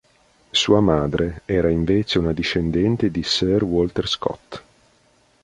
Sua madre era invece una discendente di Sir Walter Scott.